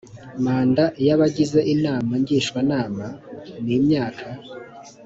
manda y abagize inama ngishwanama ni imyaka